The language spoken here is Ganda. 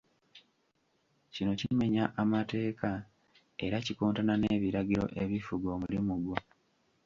Kino kimenya amateeka era kikontana n'ebiragiro ebifuga omulimu gwo.